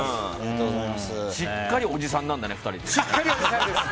しっかりおじさんなんだね、２人。